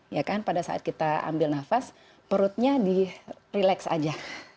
ya kan pada saat kita ambil nafas perutnya di relax aja